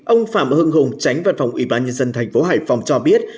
ông phạm hưng hùng tránh văn phòng ủy ban nhân dân tp hcm cho biết